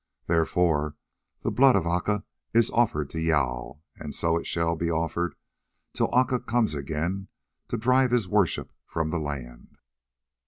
Therefore the blood of Aca is offered to Jâl, and so it shall be offered till Aca comes again to drive his worship from the land."